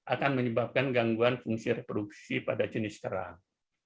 akan menyebabkan gangguan fungsi reproduksi pada jenis kerang